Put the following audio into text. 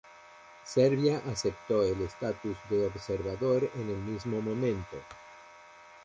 Serbia aceptó el estatus de observador en el mismo momento.